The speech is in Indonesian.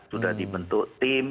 sudah dibentuk tim